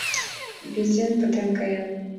Бензин пытен каен.